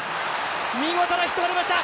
見事なヒットが出ました！